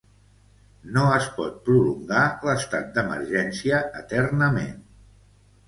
No es pot prolongar l’estat d’emergència eternament.